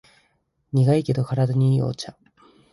苦いけど体にいいお茶